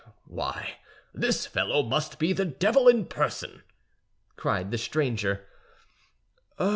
"Why, this fellow must be the devil in person!" cried the stranger.